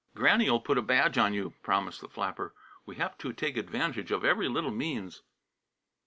"Granny'll put a badge on you," promised the flapper. "We have to take advantage of every little means."